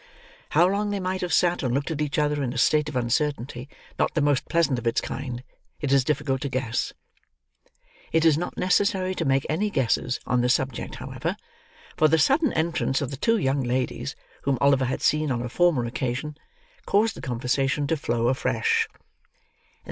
How long they might have sat and looked at each other, in a state of uncertainty not the most pleasant of its kind, it is difficult to guess. It is not necessary to make any guesses on the subject, however; for the sudden entrance of the two young ladies whom Oliver had seen on a former occasion, caused the conversation to flow afresh.